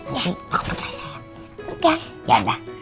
nanti tau tau kelasnya